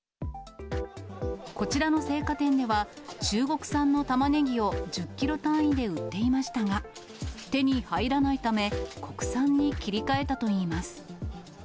こちらの青果店では、中国産のたまねぎを１０キロ単位で売っていましたが、手に入らないため、国産に切り替えたといいます。